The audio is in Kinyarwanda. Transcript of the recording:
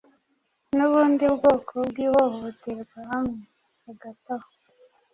nubundi bwoko bwihohoterwa hamwe. Hagati aho,